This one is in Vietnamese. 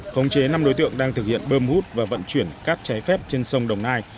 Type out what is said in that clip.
khống chế năm đối tượng đang thực hiện bơm hút và vận chuyển cát trái phép trên sông đồng nai